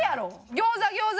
餃子餃子！